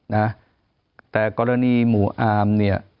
นะแต่กรณีหมู่อามเนี่ย